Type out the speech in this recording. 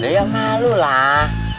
ya malu lah